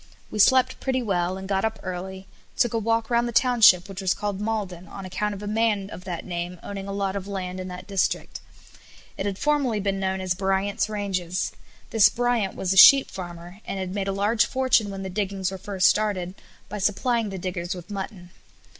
We slept pretty well, and got up early, took a walk round the township, which was called Maulden, on account of a man of that name owning a lot of land in that district. It had formerly been known as Bryant's Ranges. This Bryant was a sheep farmer, and had made a large fortune when the diggings were first started by supplying the diggers with mutton.